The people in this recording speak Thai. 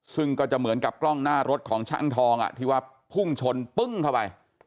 ซึ่งก็จะเหมือนกับกล้องหน้ารถของช่างทองที่ว่าพุ่งชนปึ้งเข้าไป